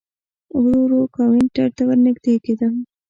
ورو ورو کاونټر ته ور نږدې کېدم.